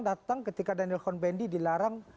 datang ketika daniel convendi dilarang